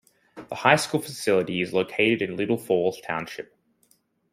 The high school facility is located in Little Falls Township.